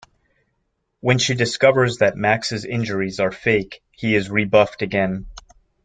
When she discovers that Max's injuries are fake, he is rebuffed again.